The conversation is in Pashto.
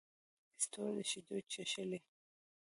ستورو شیدې چښلې